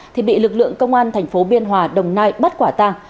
thì bị lực lượng công an tp biên hòa đồng nai bắt quả tăng